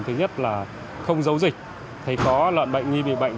thứ nhất là không giấu dịch thấy có lợn bệnh nghi bị bệnh